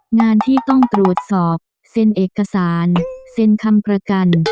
งานที่ต้องตรวจสอบเซ็นเอกสารเซ็นคำประกัน